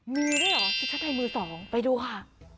มีเลยเหรอชุดชั้นในมือสองไปดูค่ะ